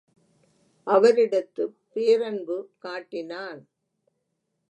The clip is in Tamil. அவரிடத்துப் பேரன்பு காட்டினான்.